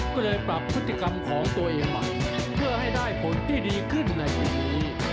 ก็เลยปรับพฤติกรรมของตัวเองใหม่เพื่อให้ได้ผลที่ดีขึ้นในวันนี้